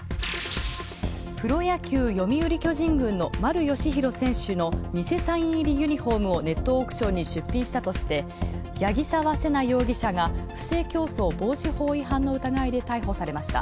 プロ野球・読売巨人軍の丸佳浩選手の偽サイン入りユニフォームをネットオークションに出品したとして、八木沢瀬名容疑者が不正競争防止法違反の疑いで逮捕されました。